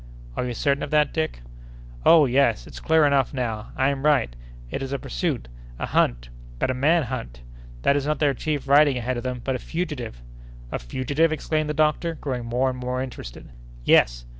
"Are you certain of that, Dick?" "Oh! yes, it's clear enough now. I am right! It is a pursuit—a hunt—but a man hunt! That is not their chief riding ahead of them, but a fugitive." "A fugitive!" exclaimed the doctor, growing more and more interested. "Yes!"